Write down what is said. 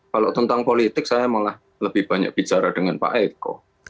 kalau tentang politik saya malah lebih banyak bicara dengan pak eko